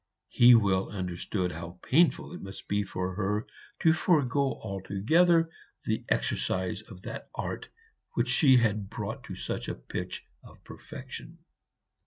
He well understood how painful it must be for her to forego altogether the exercise of that art which she had brought to such a pitch of perfection.